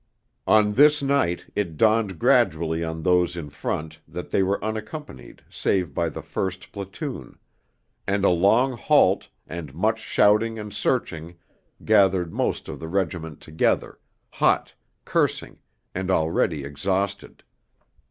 On this night it dawned gradually on those in front that they were unaccompanied save by the 1st platoon, and a long halt, and much shouting and searching, gathered most of the regiment together, hot, cursing, and already exhausted.